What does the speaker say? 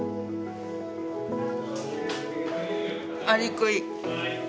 アリクイ。